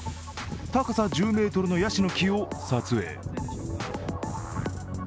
高さ１０ｍのやしの木を撮影。